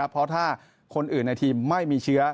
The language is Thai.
เพราะถ้าคนอื่นในทีมไม่มีเชื้อ